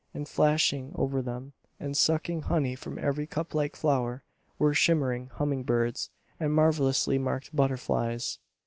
And flashing over them, and sucking honey from every cuplike flower, were shimmering humming birds and marvelously marked butterflies.